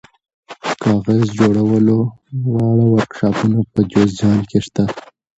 د کاغذ جوړولو واړه ورکشاپونه په جوزجان کې شته.